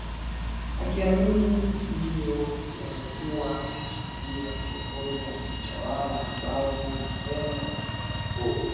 akiamini ndio yamekuwa yakichangia kiongozi anayetawala kimabavu lauren badgbo